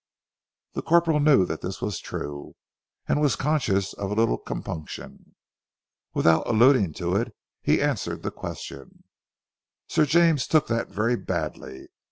The corporal knew that this was true, and was conscious of a little compunction. Without alluding to it he answered the question. "Sir James took that very badly.